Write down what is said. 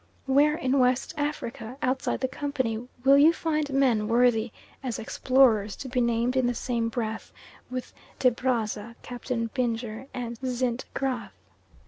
Where in West Africa outside the Company will you find men worthy as explorers to be named in the same breath with de Brazza, Captain Binger, and Zintgraff?